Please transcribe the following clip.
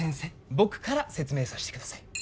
僕から説明させてください